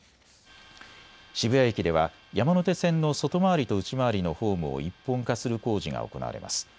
渋谷駅では山手線の外回りと内回りのホームを一本化する工事が行われます。